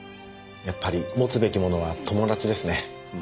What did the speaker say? やっぱり持つべきものは友達ですね。